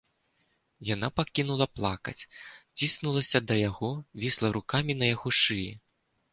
Яна пакінула плакаць, ціснулася да яго, вісла рукамі на яго шыі.